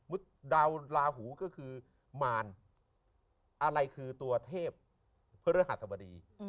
มุฒิดาวราหูก็คือมารอะไรคือตัวเทพเพื่อเรื่องหัฐบดี